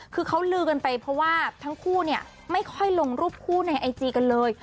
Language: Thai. คือเขาลือกันไปเพราะว่าทั้งคู่เนี่ยไม่ค่อยลงรูปคู่ในไอจีกันเลย